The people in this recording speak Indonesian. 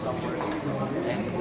saya ingin belajar bahasa indonesia